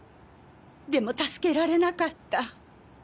でも助けられなかった。